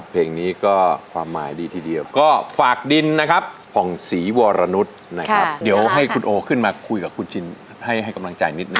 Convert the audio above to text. เพลงนี้ก็ความหมายดีทีเดียวก็ฝากดินนะครับผ่องศรีวรนุษย์นะครับเดี๋ยวให้คุณโอขึ้นมาคุยกับคุณจินให้กำลังใจนิดนึ